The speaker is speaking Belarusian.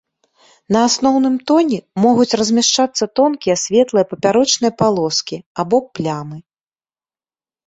На асноўным тоне могуць размяшчацца тонкія светлыя папярочныя палоскі або плямы.